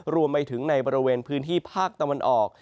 รวมไปถึงในบริเวณพื้นที่ภาคตะวันออก